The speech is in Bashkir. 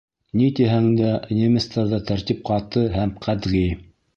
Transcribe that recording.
Ни тиһәң дә, немецтарҙа тәртип ҡаты һәм ҡәтғи.